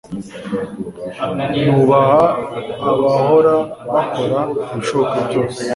Nubaha abahora bakora ibishoboka byose